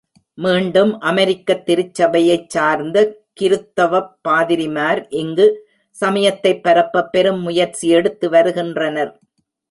மீண்டும் அமெரிக்கத் திருச்சபையைச் சார்ந்த கிருத்தவப் பாதிரிமார் இங்கு சமயத்தைப் பரப்பப் பெரும் முயற்சி எடுத்து வருகின்றனர்.